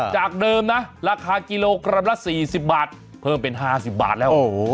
จากเดิมนะราคากิโลกรัมละ๔๐บาทเพิ่มเป็น๕๐บาทแล้ว